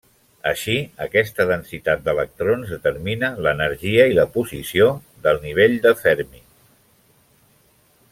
Així, aquesta densitat d'electrons determina l'energia i la posició del nivell de Fermi.